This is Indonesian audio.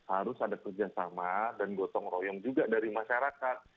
harus ada kerjasama dan gotong royong juga dari masyarakat